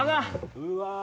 うわ。